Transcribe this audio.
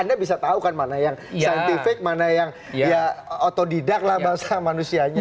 anda bisa tahu kan mana yang scientific mana yang ya otodidak lah bahasa manusianya